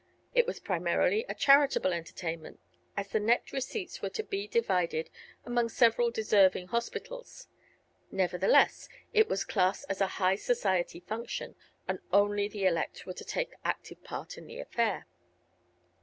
It was primarily a charitable entertainment, as the net receipts were to be divided among several deserving hospitals; nevertheless it was classed as a high society function and only the elect were to take active part in the affair.